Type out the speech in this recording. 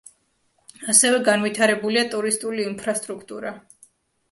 ასევე განვითარებულია ტურისტული ინფრასტრუქტურა.